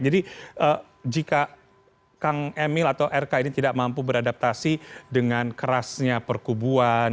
jadi jika kang emil atau rk ini tidak mampu beradaptasi dengan kerasnya perkubuan